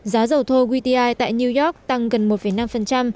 giá dầu thô qti tại new york tăng gần một năm